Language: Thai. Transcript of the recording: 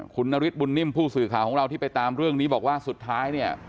คุณนฤทธบุญนิ่มผู้สื่อข่าวของเราที่ไปตามเรื่องนี้บอกว่าสุดท้ายเนี่ย